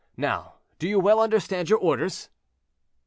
Now do you well understand your orders?"